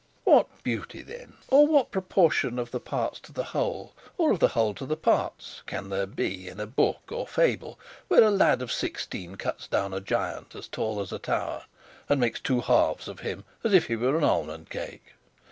What beauty, then, or what proportion of the parts to the whole, or of the whole to the parts, can there be in a book or fable where a lad of sixteen cuts down a giant as tall as a tower and makes two halves of him as if he was an almond cake?